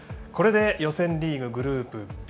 これで予選リーググループＢ